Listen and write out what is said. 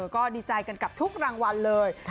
ก็ดีใจกันกับทุกรางวัลเลย